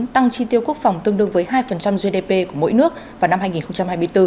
tăng chi tiêu quốc phòng tương đương với hai gdp của mỗi nước vào năm hai nghìn hai mươi bốn